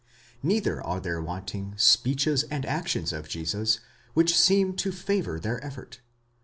Neither are there wanting speeches and actions of Jesus which seem to favour their effort.